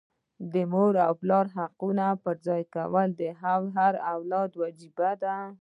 د مور او پلار حقوق پرځای کول د هر اولاد وجیبه ده.